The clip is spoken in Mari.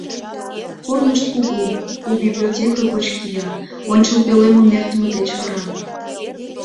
Корнышт кугу-у библиотеке гоч кия, ончыл пӧлемым эртыме деч вара.